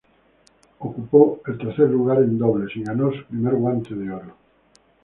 Él ocupó el tercer lugar en dobles y ganó su primer Guante de Oro.